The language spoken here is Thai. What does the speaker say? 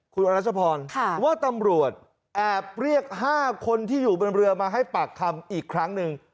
คุณอรัชพรว่าตำรวจแอบเรียก๕คนที่อยู่บนเรือมาให้ปากคำอีกครั้งหนึ่ง